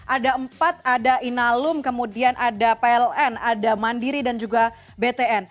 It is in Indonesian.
ada empat ada inalum kemudian ada pln ada mandiri dan juga btn